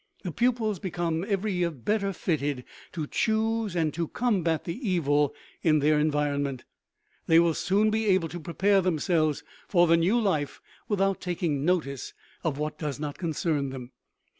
The pupils become every year better fitted to choose and to combat the evil in their environment. They will soon be able to prepare themselves for the new life without taking notice of what does not concern them.